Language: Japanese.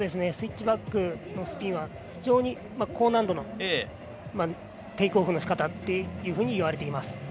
スイッチバックのスピンは非常に高難度のテイクオフのしかたというふうに言われています。